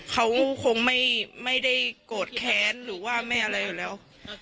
เขาคงไม่ได้โกรธแค้นหรือว่าไม่อะไรอยู่แล้ว